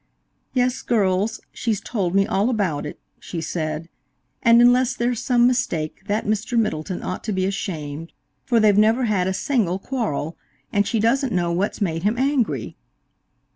"Yes, girls, she's told me all about it," she said, "and unless there's some mistake that Mr. Middleton ought to be ashamed, for they've never had a single quarrel, and she doesn't know what's made him angry."